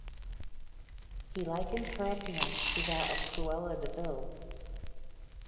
He likened her appearance to that of Cruella de Vil.